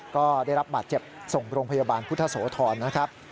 ก็ได้รับบาดเจ็บส่งโรงพยาบาลพุทธโสธรนะครับ